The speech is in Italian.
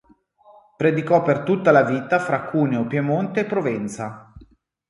Predicò per tutta la vita fra Cuneo, Piemonte e Provenza.